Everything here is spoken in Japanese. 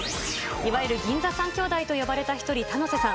いわゆる銀座３兄弟と呼ばれた１人、田野瀬さん。